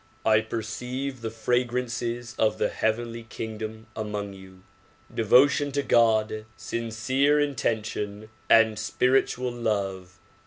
I perceive the fragrances of the heavenly kingdom among you ; devotion to God. sincere intention and spirit ual love.